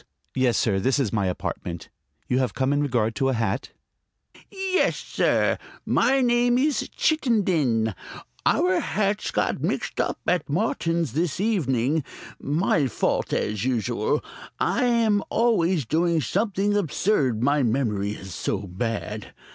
"Yes, sir. This is my apartment. You have come in regard to a hat?" "Yes, sir. My name is Chittenden. Our hats got mixed up at Martin's this evening; my fault, as usual. I am always doing something absurd, my memory is so bad.